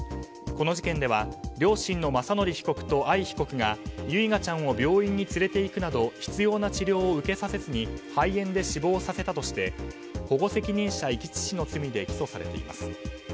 この事件では両親の雅則被告と藍被告が唯雅ちゃんを病院に連れていくなど必要な治療を受けさせずに肺炎で死亡させたとして保護責任者遺棄致死の罪で起訴されています。